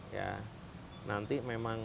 ya nanti memang